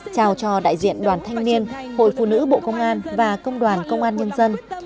trao cho đại diện đoàn thanh niên hội phụ nữ bộ công an và công đoàn công an nhân dân